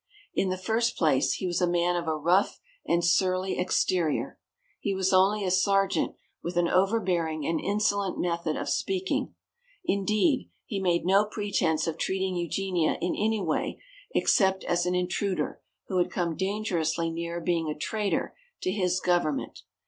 In the first place, he was a man of a rough and surly exterior. He was only a sergeant, with an overbearing and insolent method of speaking. Indeed, he made no pretence of treating Eugenia in any way except as an intruder who had come dangerously near being a traitor to his government.